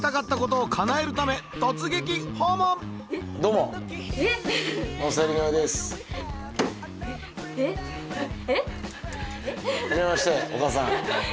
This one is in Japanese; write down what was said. はじめましてお母さん。